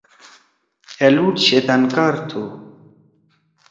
أ لُوڑ شیطان کار تُھو۔